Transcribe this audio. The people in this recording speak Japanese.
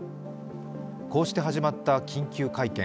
こうして始まった緊急会見。